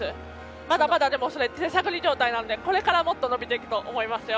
まだまだ手探り状態なのでこれからもっと伸びていくと思います。